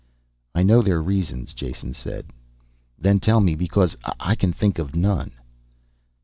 "I know their reasons," Jason said. "Then tell me, because I can think of none."